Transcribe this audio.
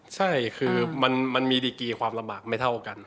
ใช่คือมันมีดีกีความลำบากไม่เท่ากัน